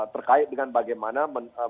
terkait dengan bagaimana